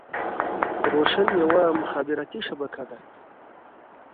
روشن يوه مخابراتي شبکه ده.